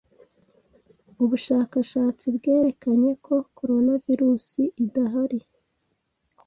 Ubushakashatsi bwerekanye ko Coronavirus idahari